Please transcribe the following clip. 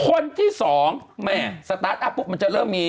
คนที่สองแม่สตาร์ทอัพปุ๊บมันจะเริ่มมี